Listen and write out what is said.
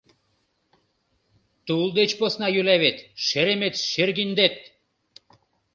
Тул деч посна йӱла вет, шеремет-шергиндет!!!